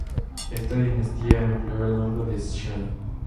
Esta dinastía empleó el nombre de Shah.